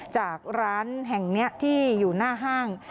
จากร้านแห่งนี้ที่อยู่หน้าห้าง